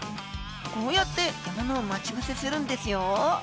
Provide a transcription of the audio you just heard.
こうやって獲物を待ち伏せするんですよ。